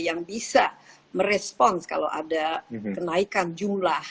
yang bisa merespons kalau ada kenaikan jumlah